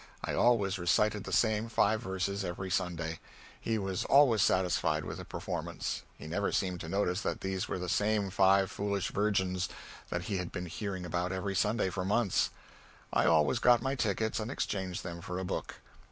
I always recited the same five verses every Sunday. He was always satisfied with the performance. He never seemed to notice that these were the same five foolish virgins that he had been hearing about every Sunday for months. I always got my tickets and exchanged them for a book.